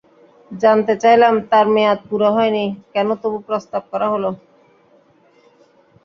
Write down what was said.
জানতে চাইলাম তাঁর মেয়াদ পুরো হয়নি, কেন তবু প্রস্তাব করা হলো।